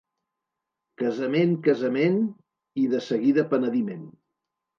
Casament, casament, i de seguida penediment.